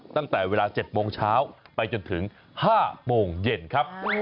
ตั้งแต่เวลา๗โมงเช้าไปจนถึง๕โมงเย็นครับ